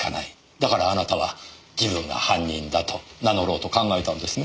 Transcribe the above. だからあなたは自分が犯人だと名乗ろうと考えたんですね。